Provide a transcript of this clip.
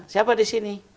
siapa di sini